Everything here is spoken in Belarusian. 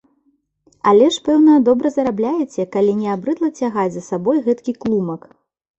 Але ж, пэўна, добра зарабляеце, калі не абрыдла цягаць за сабой гэткі клумак.